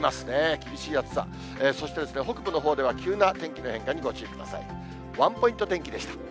厳しい暑さ、そして、北部のほうでは急な天気の変化にご注意ください。